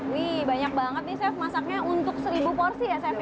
wih banyak banget nih chef masaknya untuk seribu porsi ya chef ya